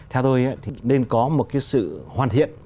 theo tôi thì nên có một sự hoàn thiện